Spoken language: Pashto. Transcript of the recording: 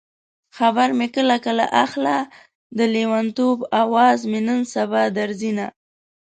خبر مې کله کله اخله د لېونتوب اواز مې نن سبا درځينه